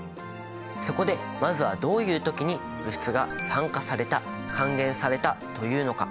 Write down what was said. そこでまずはどういう時に物質が「酸化された」「還元された」というのか？